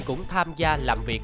cũng tham gia làm việc